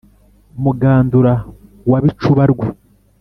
mugandura wa bicuba rwe